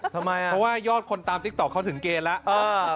เพราะว่ายอดคนตามติ๊กต๊อกเขาถึงเกณฑ์แล้ว